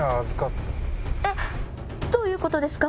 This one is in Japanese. どういうことですか？